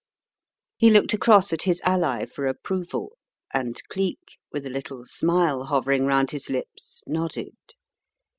He looked across at his ally for approval and Cleek, with a little smile hovering round his lips, nodded.